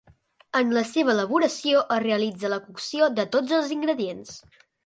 En la seva elaboració es realitza la cocció de tots els ingredients.